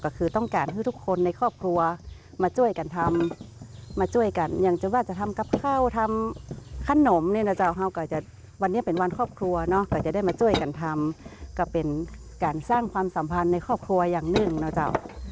ก็คือต้องการให้ทุกคนในครอบครัวมาช่วยกันทำมาช่วยกันอย่างจะว่าจะทำกับข้าวทำขนมเนี่ยนะเจ้าเขาก็จะวันนี้เป็นวันครอบครัวเนาะก็จะได้มาช่วยกันทำก็เป็นการสร้างความสัมพันธ์ในครอบครัวอย่างหนึ่งนะเจ้า